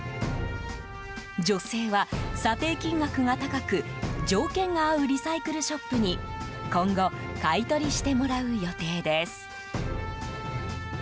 女性は査定金額が高く条件が合うリサイクルショップに今後買い取りしてもらう予定です。